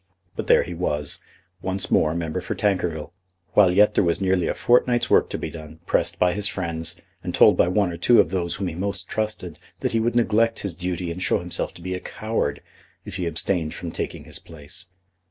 But there he was, once more member for Tankerville, while yet there was nearly a fortnight's work to be done, pressed by his friends, and told by one or two of those whom he most trusted, that he would neglect his duty and show himself to be a coward, if he abstained from taking his place.